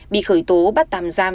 bị khởi tố bắt tạm giam